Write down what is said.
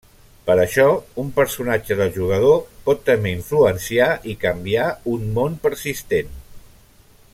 Per això, un personatge del jugador pot també influenciar i canviar un món persistent.